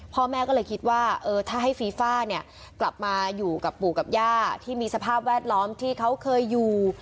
พ่อแม่ก็เลยคิดว่าเออถ้าให้ฟีฟ่าเนี่ยกลับมาอยู่กับปู่กับย่าที่มีสภาพแวดล้อมที่เขาเคยอยู่